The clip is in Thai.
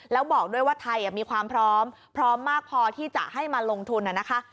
แล้วบอกด้วยว่าไทยมีความพร้อมพร้อมมากพอที่จะให้มาลงทุนนะคะ